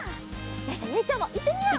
よしじゃあゆいちゃんもいってみよう！